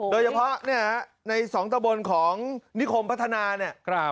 โดยเฉพาะเนี่ยในสองตะบนของนิคมพัฒนาเนี่ย